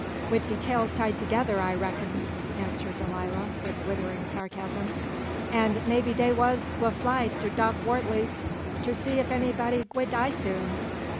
"Wid de tails tied tog'er'r, I reckon!" answered Delilah, with withering sarcasm; "an' maybe dey wuz gwi' fly ter Doc Wortley's ter see ef anybody gwi' die soon.